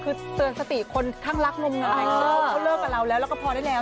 คือเตือนสติคนข้างรักงมงายเขาเลิกกับเราแล้วแล้วก็พอได้แล้ว